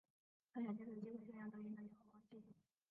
他想借此机会宣扬德英的友好关系。